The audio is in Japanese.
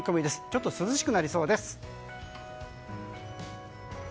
ちょっと涼しくなりそうです。